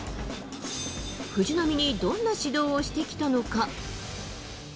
藤浪にどんな指導をしてきたのか。